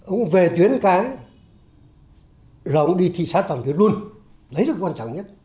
ông về tuyến cái là ông đi thị xã toàn thứ luân đấy là quan trọng nhất